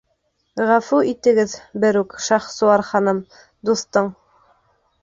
— Ғәфү итегеҙ, берүк, Шахсуар ханым, дуҫтың...